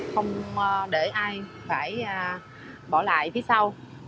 không để ai phải bỏ lại phía sau